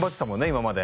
今まで。